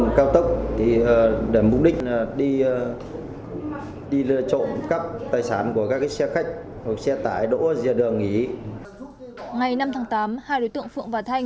ngày năm tháng tám hai đối tượng phượng và thanh